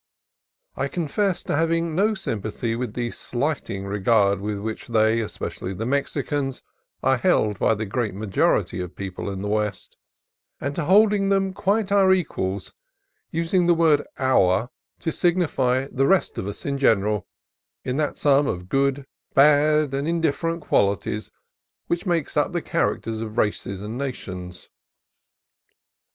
I confess to having no sympathy with the slighting regard in which they, especially the Mexicans, are held by the great majority of people in the West ; and to holding them quite our equals — using the word "our" to signify the rest of us in general — in that sum of good, bad, and indifferent qualities which makes up the characters of races and nations.